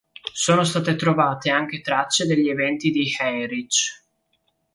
Sono state trovate anche tracce degli eventi di Heinrich.